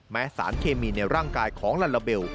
สารเคมีในร่างกายของลาลาเบล